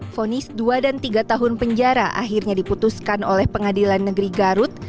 fonis dua dan tiga tahun penjara akhirnya diputuskan oleh pengadilan negeri garut